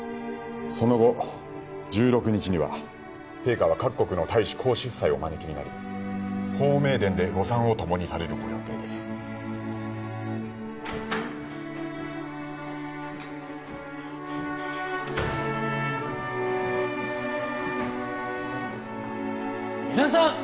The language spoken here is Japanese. その後１６日には陛下は各国の大使公使夫妻をお招きになり豊明殿で午餐を共にされるご予定です皆さん